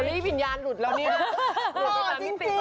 เซอรี่วิญญาณหลุดแล้วเนี้ย